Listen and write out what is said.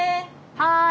はい！